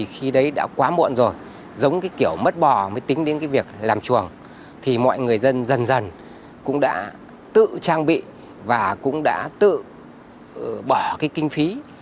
khi đó đã quá muộn rồi giống kiểu mất bò mới tính đến việc làm chuồng thì mọi người dân dần dần cũng đã tự trang bị và cũng đã tự bỏ kinh phí